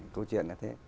câu chuyện là thế